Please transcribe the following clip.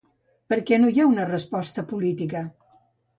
Per què no hi ha una resposta política?.